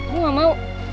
gue gak mau